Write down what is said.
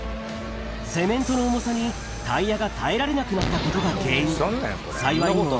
セメントの重さにタイヤが耐えられなくなったことが原因。